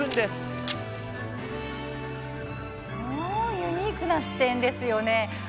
ユニークな視点ですよね。